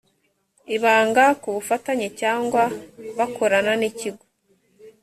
ibanga ku bafatanya cyangwa bakorana n ikigo